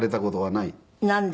なんで？